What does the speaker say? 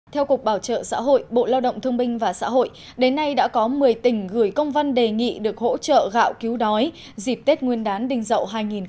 theo cục bảo trợ xã hội bộ lao động thương binh và xã hội đến nay đã có một mươi tỉnh gửi công văn đề nghị được hỗ trợ gạo cứu đói dịp tết nguyên đán đình dậu hai nghìn hai mươi